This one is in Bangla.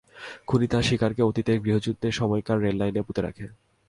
খুনি তার শিকারকে অতীতের গৃহযুদ্ধের সময়কার রেললাইনে পুঁতে রাখে।